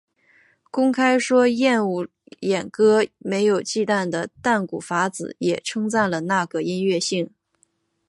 公开说厌恶演歌没有忌惮的淡谷法子也称赞了那个音乐性。